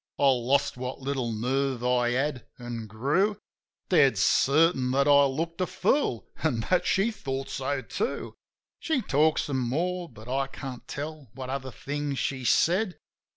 I lost what little nerve I had, an' grew Dead certain that I looked a fool, an' that she thought so, too. She talked some more; but I can't tell what other things she said.